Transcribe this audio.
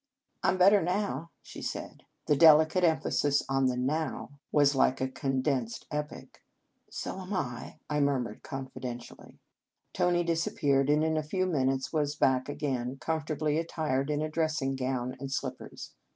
" I m better now," she said. The delicate emphasis on the now was like a condensed epic. " So am I," I murmured confidentially. Tony disappeared, and in a few minutes was back again, comfortably attired in a dressing gown and slip pers.